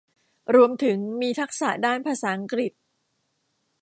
รวมถึงมีทักษะด้านภาษาอังกฤษ